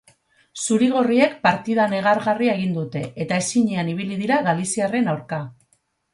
Zuri-gorriek partida negargarria egin dute eta ezinean ibili dira galiziarren aurka.